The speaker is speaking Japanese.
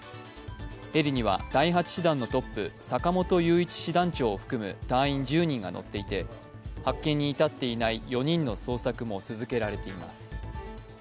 ヘリには第８師団のトップ、坂本雄一師団長を含む隊員１０人が乗っていて発見に至っていない４人の捜索も続けられています。